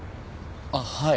あっはい。